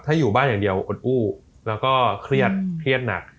ถ้าอยู่บ้านอย่างเดียวอดอู้แล้วก็เครียดเครียดหนัก